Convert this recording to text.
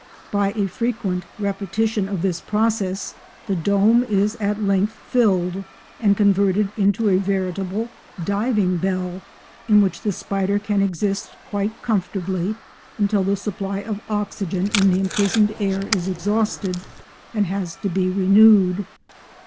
By a frequent repetition of this process the dome is at length filled and converted into a veritable diving bell, in which the spider can exist quite comfortably until the supply of oxygen in the imprisoned air is exhausted and has to be renewed.